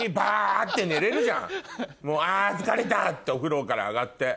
あ疲れた！ってお風呂から上がって。